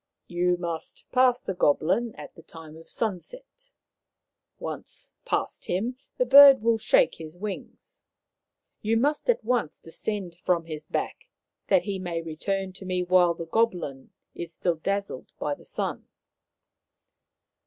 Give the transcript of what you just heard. " You must pass the goblin at the time of sunset. Once past him, the Bird will shake his wings. You must at once descend from his back, that he may return to me while the goblin is still dazzled by the sun."